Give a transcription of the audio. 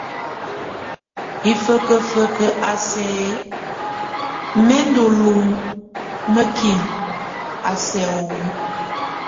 Hifekefek a sɛk ɛ̂, mɛ́ ndolumuekin a sɛk o.